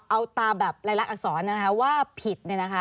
เอาตามหลายละอักษรว่าผิด